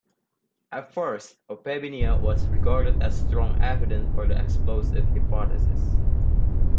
At first "Opabinia" was regarded as strong evidence for the "explosive" hypothesis.